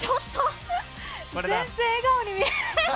全然、笑顔に見えない。